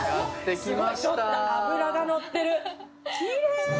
きれい。